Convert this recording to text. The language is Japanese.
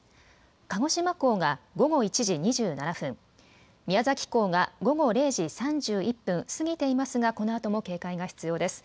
鹿児島港が午後１時２７分、宮崎港が午後０時３１分過ぎていますが、このあとも警戒が必要です。